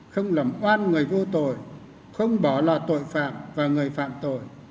không lầm oan người vô tội không bỏ lò tội phạm và người phạm tội